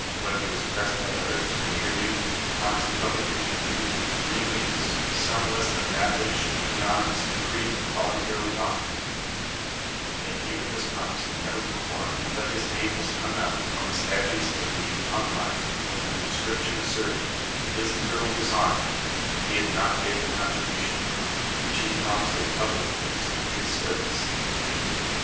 heii b." \\as ])ressed by otliers to eonti'ibute, he ]>r()jnise(l jhiIj licly that he would give thi'ee niinas, a sniii less than that which Cleonymus the Crc^tan volun tarily offered; yet even this promise he never 105 THE WORLD'S FAMOUS ORATIONS performed; but his name was hung up on the statues of the Eponymi with an inscription as serting, to his eternal dishonor, that he had not paid the contribution, which he promised in public, for his country's service.